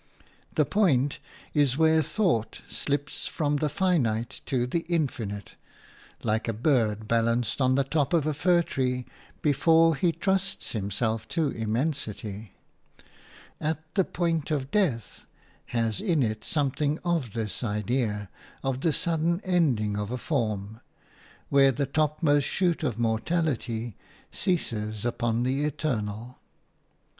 The point is where thought slips from the finite to the infinite, like a bird balanced on the top of a fir tree before he trusts himself to immensity. "At the point of death" has in it something of this idea of the sudden ending of a form, where the topmost shoot of mortality ceases upon the eternal.